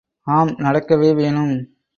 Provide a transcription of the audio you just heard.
ஆம் நடக்கவே வேணும்.